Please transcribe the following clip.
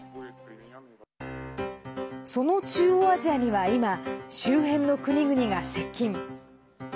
その中央アジアには今周辺の国々が接近。